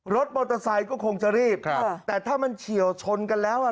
รถมอเตอร์ไซค์ก็คงจะรีบครับแต่ถ้ามันเฉียวชนกันแล้วอ่ะ